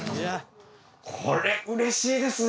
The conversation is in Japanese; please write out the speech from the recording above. これうれしいですね。